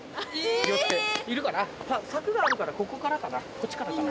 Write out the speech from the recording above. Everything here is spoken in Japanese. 柵があるからここからかなこっちからかな。